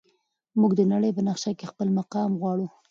موږ د نړۍ په نقشه کې خپل مقام غواړو.